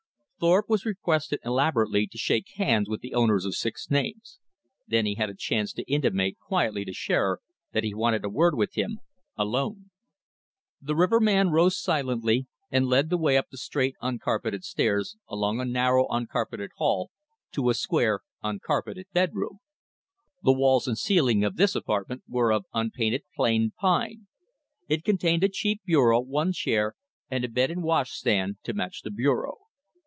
Thorpe was requested elaborately to "shake hands" with the owners of six names. Then he had a chance to intimate quietly to Shearer that he wanted a word with him alone. The riverman rose silently and led the way up the straight, uncarpeted stairs, along a narrow, uncarpeted hall, to a square, uncarpeted bedroom. The walls and ceiling of this apartment were of unpainted planed pine. It contained a cheap bureau, one chair, and a bed and washstand to match the bureau.